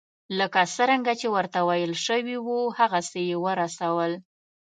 لکه څرنګه چې ورته ویل شوي وو هغسې یې ورسول.